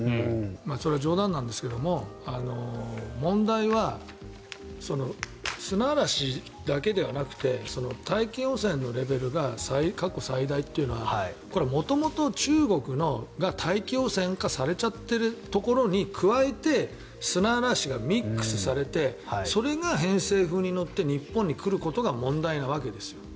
それは冗談なんですけど問題は、砂嵐だけではなくて大気汚染のレベルが過去最大というのはこれは元々、中国が大気汚染化されちゃってるところに加えて砂嵐がミックスされてそれが偏西風に乗って日本に来ることが問題なわけですよ。